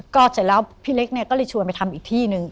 ก็เสร็จแล้วพี่เล็กเนี่ยก็เลยชวนไปทำอีกที่หนึ่ง